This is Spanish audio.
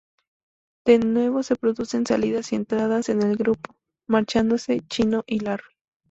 De nuevo se producen salidas y entradas en el grupo, marchándose "Chino" y Larry.